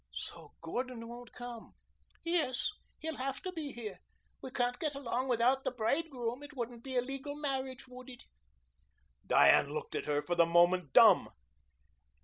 "So Gordon won't come." "Yes. He'll have to be here. We can't get along without the bridegroom. It wouldn't be a legal marriage, would it?" Diane looked at her, for the moment dumb.